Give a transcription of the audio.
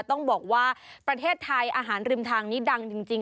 ต้องบอกว่าประเทศไทยอาหารริมทางนี้ดังจริง